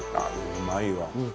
うまいわ。